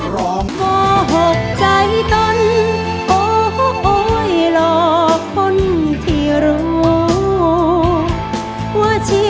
ร้องหน้า